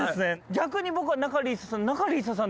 逆に僕は仲里依紗さん。